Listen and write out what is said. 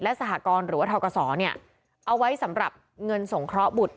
และสหกรณ์หรือว่าเทาเกษรเนี่ยเอาไว้สำหรับเงินส่งเคราะห์บุตร